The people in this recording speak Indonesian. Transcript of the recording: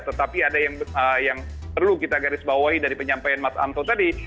tetapi ada yang perlu kita garis bawahi dari penyampaian mas anto tadi